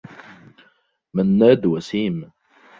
منّاد وسيم.